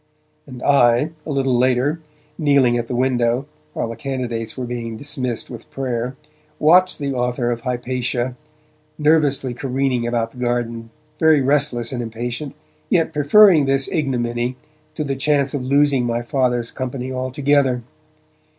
And I, a little later, kneeling at the window, while the candidates were being dismissed with prayer, watched the author of Hypatia nervously careening about the garden, very restless and impatient, yet preferring this ignominy to the chance of losing my Father's company altogether.